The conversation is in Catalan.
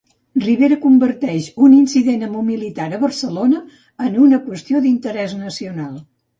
Rivera converteix un incident amb un militar a Barcelona en una qüestió d'interès nacional.